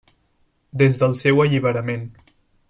Des del seu alliberament.